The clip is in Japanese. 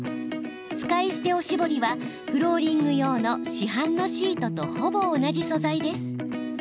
使い捨ておしぼりはフローリング用の市販のシートとほぼ同じ素材です。